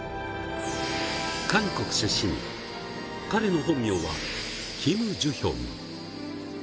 韓国出身、彼の本名はキムジュヒョン。